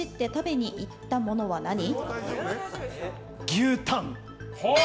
牛タン。